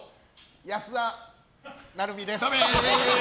安田成美です。